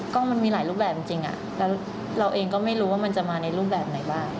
ตัวเองก็ไม่รู้ว่ามันจะมาในรูปแบบไหนบ้าง